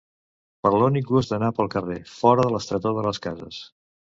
Per l’únic gust d’anar pel carrer, fora de l’estretor de les cases.